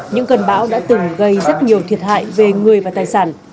những cơn bão đã từng gây rất nhiều thiệt hại về người và tài sản